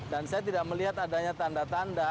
dan saya tidak melihat adanya tanda tanda